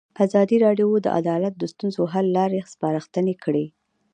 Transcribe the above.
ازادي راډیو د عدالت د ستونزو حل لارې سپارښتنې کړي.